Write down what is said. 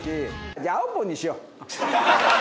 じゃああおぽんにしよう！